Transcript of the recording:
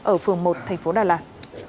ở phường một thành phố đà lạt